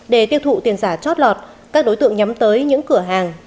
để tiêu thụ tiền giả trót lọt các đối tượng nhắm tới những cửa hàng